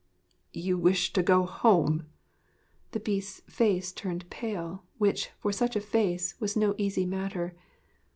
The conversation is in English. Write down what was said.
'You wish to go home? 'The Beast's face turned pale which, for such a face, was no easy matter.